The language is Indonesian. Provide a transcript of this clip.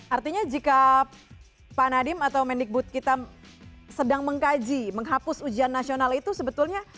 artinya jika pak nadiem atau mendikbud kita sedang mengkaji menghapus ujian nasional itu sebetulnya